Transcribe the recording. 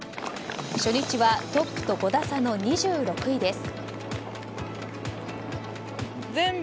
初日はトップと５打差の２６位です。